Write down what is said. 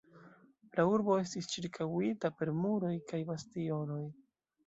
La urbo estis ĉirkaŭita per muroj kaj bastionoj.